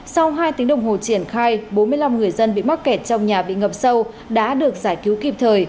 sau hai tiếng đồng hồ triển khai bốn mươi năm người dân bị mắc kẹt trong nhà bị ngập sâu đã được giải cứu kịp thời